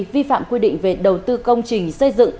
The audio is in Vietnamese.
vi phạm quy định về đầu tư công trình xây dựng